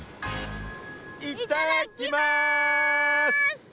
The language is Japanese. いっただきます！